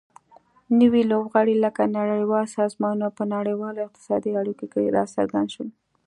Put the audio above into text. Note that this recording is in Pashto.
نوي لوبغاړي لکه نړیوال سازمانونه په نړیوالو اقتصادي اړیکو کې راڅرګند شول